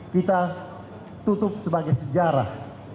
kita akan menutup sebagai sejarah